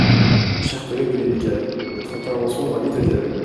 Cher collègue Olivier Carré, votre intervention invite au dialogue.